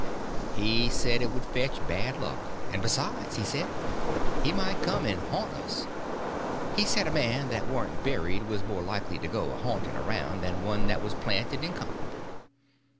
He said it would fetch bad luck; and besides, he said, he might come and ha'nt us; he said a man that warn't buried was more likely to go a ha'nting around than one that was planted and comfortable.